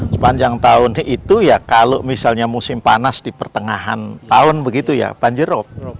sepanjang tahun itu ya kalau misalnya musim panas di pertengahan tahun begitu ya banjir rob